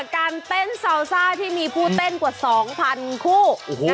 การเต้นซาวซ่าที่มีผู้เต้นกว่า๒๐๐๐คู่